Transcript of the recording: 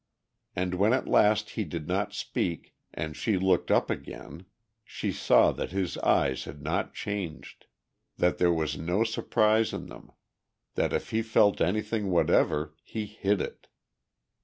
And when at last he did not speak and she looked up again, she saw that his eyes had not changed, that there was no surprise in them, that if he felt anything whatever he hid it.